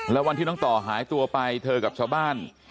แล้ววันที่น้องต่อหายตัวไปเธอกับชาวบ้าน